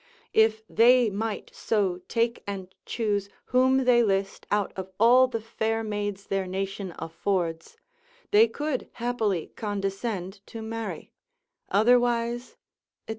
If they might so take and choose whom they list out of all the fair maids their nation affords, they could happily condescend to marry: otherwise, &c.